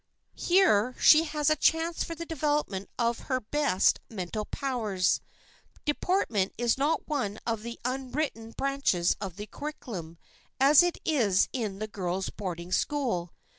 Here she has a chance for the development of her best mental powers. Deportment is not one of the unwritten branches of the curriculum as it is in the girls' boarding school.